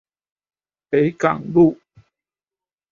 北港路